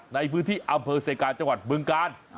ในพื้นที่อำเภอเศรษฐกาลจังหวัดเมืองกาล